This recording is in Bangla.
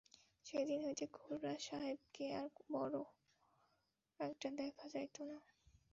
সেদিন হইতে খুড়াসাহেবকে আর বড়ো একটা দেখা যাইত না।